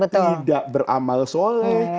tidak beramal soleh